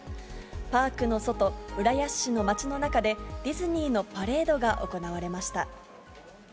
パークの外、浦安市の街の中で、ディズニーのパレードが行われました。